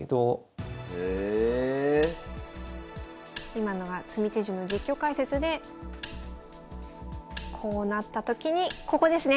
今のが詰み手順の実況解説でこうなったときにここですね。